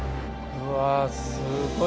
うわすごい。